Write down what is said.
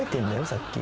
さっき。